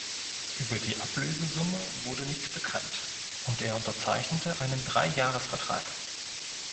Über die Ablösesumme wurde nichts bekannt und er unterzeichnete einen Drei-Jahres-Vertrag.